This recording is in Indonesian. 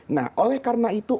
nah oleh karena itu